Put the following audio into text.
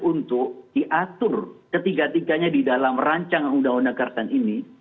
untuk diatur ketiga tiganya di dalam rancangan undang undang kertasan ini